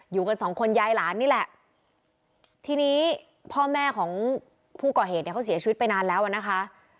อยู่กันสองคนยายหลานนี่แหละทีนี้พ่อแม่ของผู้ก่อเหตุเนี่ยเขาเสียชีวิตไปนานแล้วอ่ะนะคะ